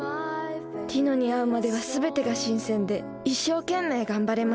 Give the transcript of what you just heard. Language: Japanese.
ティノに会うまではすべてが新鮮で一生懸命頑張れました。